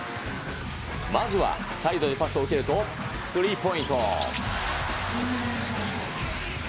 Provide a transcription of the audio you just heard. まずはサイドでパスを受けるとスリーポイント。